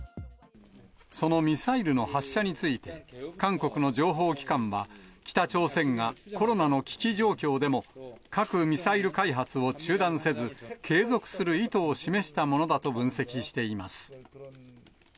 そのミサイルの発射について、韓国の情報機関は、北朝鮮がコロナの危機状況でも、核・ミサイル開発を中断せず、継続する意図を示したものだと分析しています。